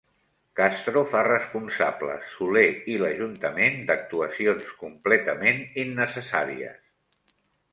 Castro fa responsables Soler i l'Ajuntament d'actuacions completament innecessàries.